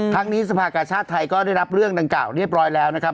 ทั้งนี้สภากาชาติไทยก็ได้รับเรื่องดังกล่าวเรียบร้อยแล้วนะครับ